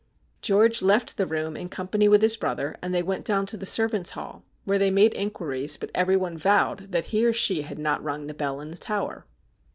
George left the room in company with his brother, and they went down to the servants' hall, where they made in quiries, but everyone vowed that he or she had not rung the bell in the tower.